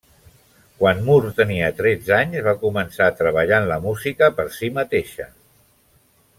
Quan Moore tenia tretze anys, va començar a treballar en la música per si mateixa.